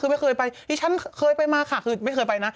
คือไม่เคยไปดิฉันเคยไปมาค่ะคือไม่เคยไปนะ